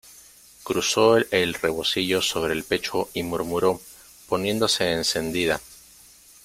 cruzó el rebocillo sobre el pecho y murmuró poniéndose encendida: